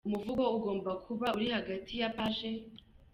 Umuvugo ugomba kuba uri hagati ya p.